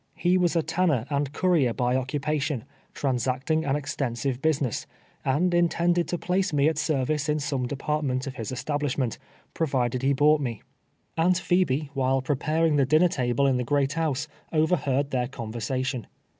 He was a tanner and currier by occu pation, transacting an extensive business, and intend ed to place me at service in some department of liis establishment, provided lie bought me. Aunt Phebe, while preparing the dinner table in the great house, overheard their conversation.